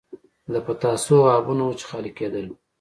د پتاسو غابونه وو چې خالي کېدل به.